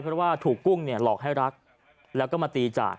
เพราะว่าถูกกุ้งเนี่ยหลอกให้รักแล้วก็มาตีจาก